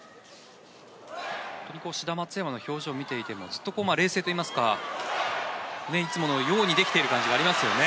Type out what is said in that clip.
本当に志田・松山の表情を見ていてもずっと冷静といいますかいつものようにできてる感じがありますよね。